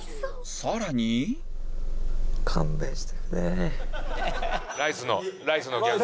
さらにライスのライスのギャグ。